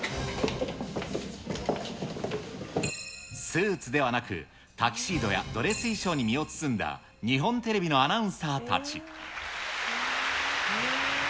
スーツではなく、タキシードやドレス衣装に身を包んだ日本テレビのアナウンサーたち。